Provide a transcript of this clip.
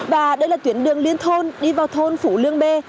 và đây là tuyến đường liên thôn đi vào thôn phủ lương bê